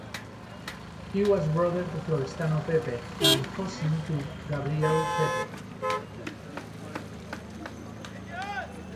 He was brother to Florestano Pepe and cousin to Gabriele Pepe.